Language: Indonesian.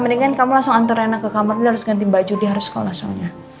mendingan kamu langsung antur rena ke kamar dia harus ganti baju dia harus kelas soalnya